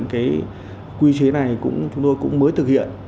thực hiện cái quy chế này chúng tôi cũng mới thực hiện